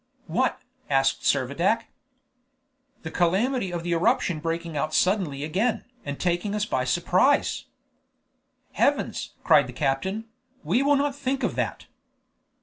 "What?" asked Servadac. "The calamity of the eruption breaking out suddenly again, and taking us by surprise." "Heavens!" cried the captain, "we will not think of that."